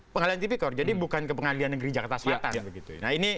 pengadilan tipikor jadi bukan ke pengadilan negeri jakarta selatan